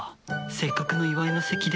せっかくの祝いの席で。